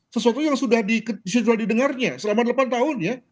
sesuatu yang sudah didengarnya selama delapan tahun ya